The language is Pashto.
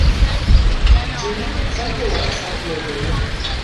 جینونه څنګه وراثت لیږدوي؟